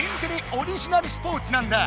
オリジナルスポーツなんだ！